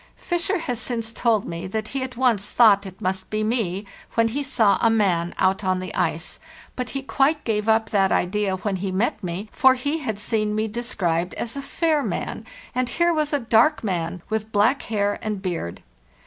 Fisher has since told me that he at once thought it must be me when he saw a man out on the ice; but he quite gave up that idea when he met me, for he had seen me described as a fair man, and here was a dark man, with black hair and beard.